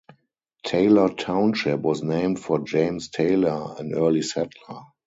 Taylor Township was named for James Taylor, an early settler.